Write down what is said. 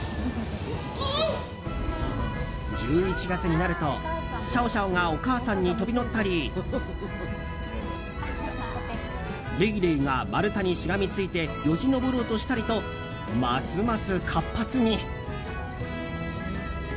１１月になると、シャオシャオがお母さんに飛び乗ったりレイレイが丸太にしがみついてよじ登ろうとしたりとますます活発に。